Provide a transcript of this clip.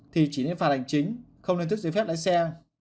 thì chỉ nên phạt hành chính không nên thức giấy phép lái xe